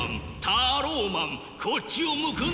タローマンこっちを向くんだ。